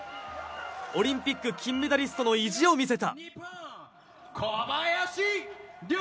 オリンピック金メダリストの意地を見せた。